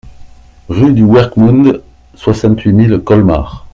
Rue du Weckmund, soixante-huit mille Colmar